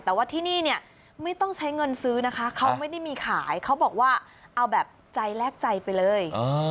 แต่ว่าที่นี่เนี่ยไม่ต้องใช้เงินซื้อนะคะเขาไม่ได้มีขายเขาบอกว่าเอาแบบใจแลกใจไปเลย